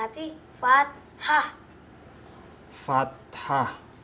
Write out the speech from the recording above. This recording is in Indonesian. alif domah u